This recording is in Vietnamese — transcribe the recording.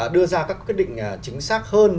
đưa ra các quyết định chính xác hơn